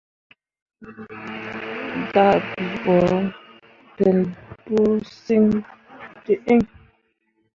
Dah bii ɓo ten pu siŋ di iŋ.